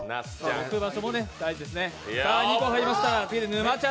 置く場所も大事ですね。